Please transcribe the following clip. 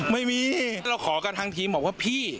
ไม่มีเราขอกันทางทีมบอกว่าพี่